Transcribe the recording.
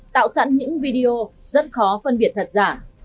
tạo sẵn những video rất khó phân biệt thật giả